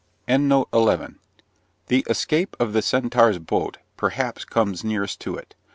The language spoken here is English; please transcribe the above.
The escape of the Centaur's boat, perhaps, comes nearest to it.